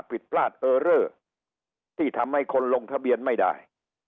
ผิดพลาดเออเลอร์ที่ทำให้คนลงทะเบียนไม่ได้